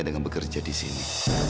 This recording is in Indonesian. dengan bekerja disini